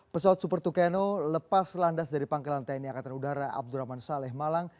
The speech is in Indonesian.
pesawat super tucano lepas landas dari pangkalan tni angkatan udara abdurrahman saleh malang